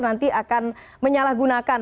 nanti akan menyalahgunakan